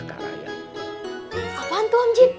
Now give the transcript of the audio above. apaan tuh om jin